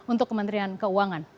untuk kementerian keuangan